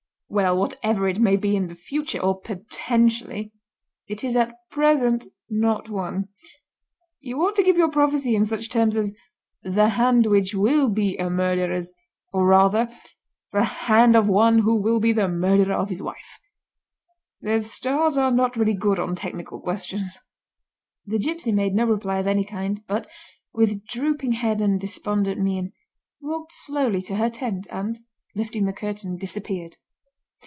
Well, whatever it may be in the future—or potentially—it is at present not one. You ought to give your prophecy in such terms as 'the hand which will be a murderer's', or, rather, 'the hand of one who will be the murderer of his wife'. The Stars are really not good on technical questions." The gipsy made no reply of any kind, but, with drooping head and despondent mien, walked slowly to her tent, and, lifting the curtain, disappeared.